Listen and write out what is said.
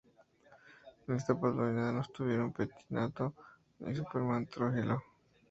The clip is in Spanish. En esa oportunidad no estuvieron Pettinato ni Superman Troglio.